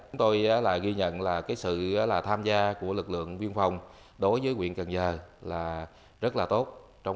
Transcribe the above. chúng tôi ghi nhận sự tham gia của lực lượng viên phòng đối với huyện cân dơ là rất là tốt